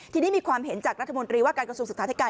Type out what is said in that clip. ทีนี้มีความเห็นจากรัฐมนตรีว่าการกระทรวงศึกษาธิการ